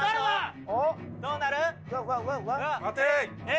どうなる？